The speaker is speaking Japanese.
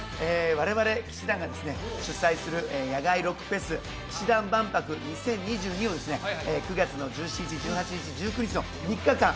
我々氣志團がですね主催する野外ロックフェス氣志團万博２０２２をですね９月の１７日１８日１９日の３日間